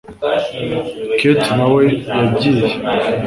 cathy nawe yagiye